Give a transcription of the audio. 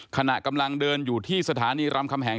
ขณะกำลังเดินอยู่ที่สถานีรำคำแหง